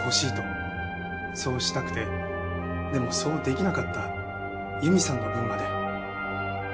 そうしたくてでもそうできなかった佑美さんの分まで。